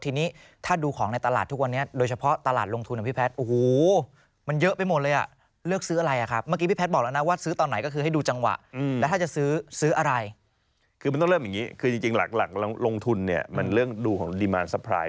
ทีนี้ถ้าดูของในตลาดทุกวันนี้โดยเฉพาะตลาดลงทุนของพี่แพทย์